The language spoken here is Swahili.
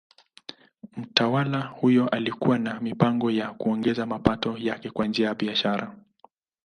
Mtawala huyo alikuwa na mipango ya kuongeza mapato yake kwa njia ya biashara.